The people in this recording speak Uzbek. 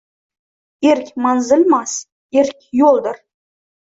Erk – manzilmas, erk – yo‘ldir